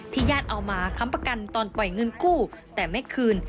ญาติเอามาค้ำประกันตอนปล่อยเงินกู้แต่ไม่คืน